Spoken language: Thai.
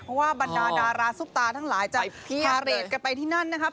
เพราะว่าบรรดาดาราซุปตาทั้งหลายจะพาเรทกันไปที่นั่นนะครับ